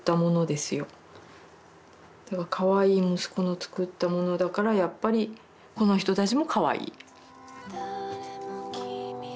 かわいい息子の作ったものだからやっぱりこの人たちもかわいい。